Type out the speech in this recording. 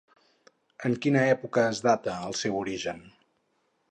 En quina època es data el seu origen?